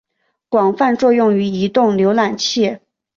广泛作用于移动浏览器。